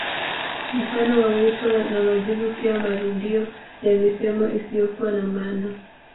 Mfano wa wito na majibu pia marudio ya misemo isiyokuwa na maana